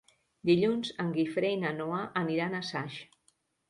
Dilluns en Guifré i na Noa aniran a Saix.